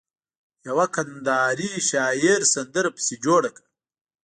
يوه کنداري شاعر سندره پسې جوړه کړه.